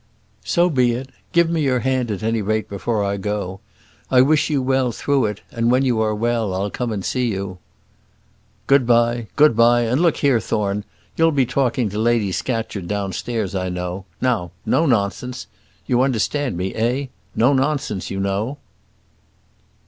"So be it; give me your hand, at any rate, before I go. I wish you well through it, and when you are well, I'll come and see you." "Good bye good bye; and look here, Thorne, you'll be talking to Lady Scatcherd downstairs I know; now, no nonsense. You understand me, eh? no nonsense, you know."